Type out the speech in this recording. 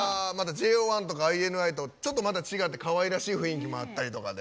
ＪＯ１とかＩＮＩとちょっとまた違ってかわいらしい雰囲気もあったりとかで。